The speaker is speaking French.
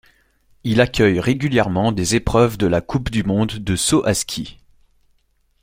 Il accueille régulièrement des épreuves de la coupe du monde de saut à ski.